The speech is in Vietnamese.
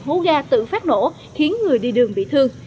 hố ga tự phát nổ khiến người đi đường bị thương